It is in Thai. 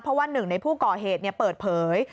เพราะว่าหนึ่งในผู้ก่อเหตุเปิดเผย